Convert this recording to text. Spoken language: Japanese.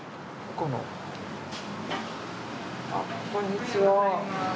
こんにちは。